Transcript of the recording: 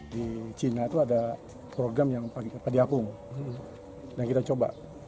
di cina itu ada program yang padi apung yang kita coba